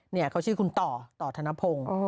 เนี่ยเขาชื่อคุณต่อต่อธนพงศ์